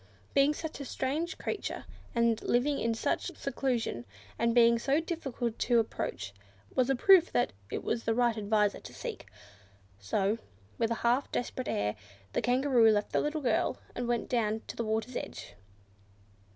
Being such a strange creature, and living in such seclusion, and being so difficult to approach was a proof that it was the right adviser to seek. So, with a half desperate air, the Kangaroo left the little girl, and went down to the water's edge.